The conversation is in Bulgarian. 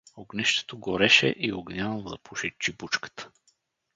Огнището гореше и Огнянов запуши чибучката.